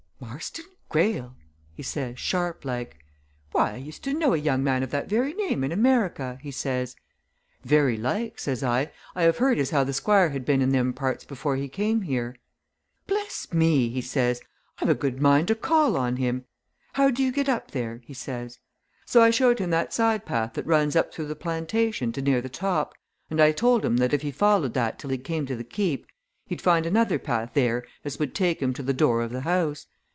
'Marston Greyle!' he says, sharp like. 'Why, I used to know a young man of that very name in America!' he says. 'Very like,' says I, 'I have heard as how the Squire had been in them parts before he came here.' 'Bless me!' he says, 'I've a good mind to call on him. How do you get up there?' he says. So I showed him that side path that runs up through the plantation to near the top, and I told him that if he followed that till he came to the Keep, he'd find another path there as would take him to the door of the house.